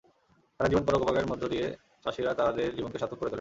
সারা জীবন পরোপকারের মধ্য দিয়ে চাষিরা তাঁদের জীবনকে সার্থক করে তোলেন।